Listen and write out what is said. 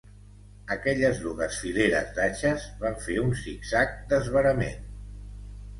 Aquelles dugues fileres d'atxes van fer un zig-zag d'esverament